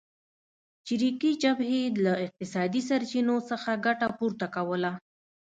چریکي جبهې له اقتصادي سرچینو څخه ګټه پورته کوله.